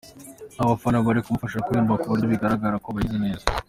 Abafana bari kumufasha kuyiririmba ku buryo bigaragara ko bayizi neza.